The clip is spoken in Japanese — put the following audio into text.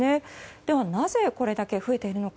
では、なぜこれだけ増えているのか。